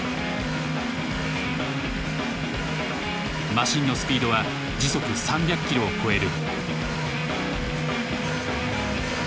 マシンのスピードは時速３００キロを超える。